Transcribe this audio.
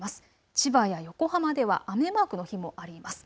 千葉や横浜では雨マークの日もあります。